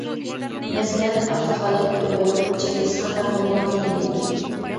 مەسىلەن: ئابدۇخالىق ئۇيغۇر، چىڭگىزخان داموللام دېگەندەك.